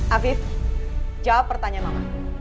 afif jawab pertanyaan mama